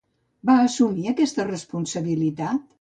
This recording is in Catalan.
Va assumir aquesta responsabilitat?